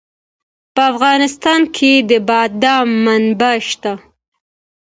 په افغانستان کې د بادام منابع شته.